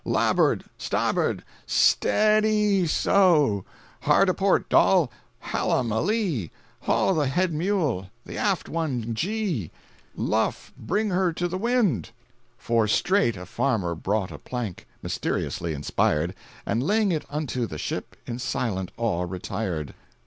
"Labbord!—stabbord!—s t e a d y!—so!—Hard a port, Dol!—hellum a lee! Haw the head mule!—the aft one gee! Luff!—bring her to the wind!" For straight a farmer brought a plank,—(Mysteriously inspired)—And laying it unto the ship, In silent awe retired.